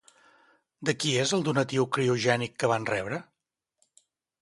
De qui és el donatiu criogènic que van rebre?